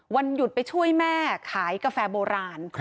วันหยุดไปช่วยแม่ขายกาแฟโบราณ